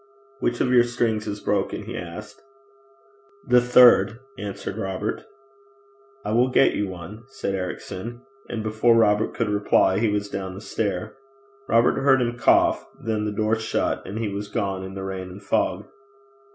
'Which of your strings is broken?' he asked. 'The third,' answered Robert. 'I will get you one,' said Ericson; and before Robert could reply he was down the stair. Robert heard him cough, then the door shut, and he was gone in the rain and fog.